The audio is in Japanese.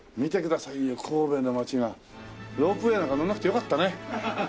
ロープウェーなんか乗らなくてよかったね。